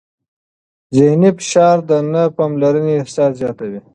ذهني فشار د نه پاملرنې احساس زیاتوي.